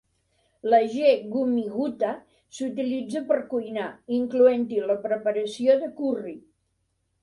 La "G. gummi-gutta" s'utilitza per cuinar, incloent-hi la preparació de curri.